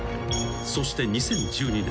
［そして２０１２年］